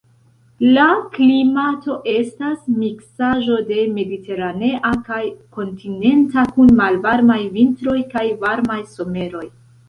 La klimato estas miksaĵo de mediteranea kaj kontinenta, kun malvarmaj vintroj kaj varmaj someroj.